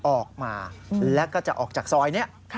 ออกมาแล้วก็จะออกจากซอยนี้